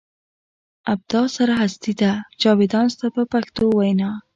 ابدا سره هستي ده جاویدان ستا په پښتو وینا.